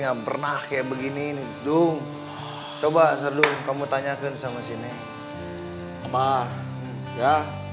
nggak pernah kayak begini ini dung coba sardung kamu tanyakan sama si neng apa ya